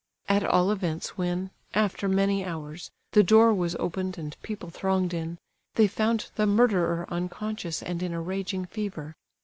At all events when, after many hours, the door was opened and people thronged in, they found the murderer unconscious and in a raging fever.